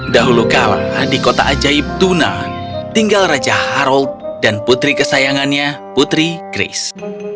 dahulu kala di kota ajaib tuna tinggal raja harold dan putri kesayangannya putri chris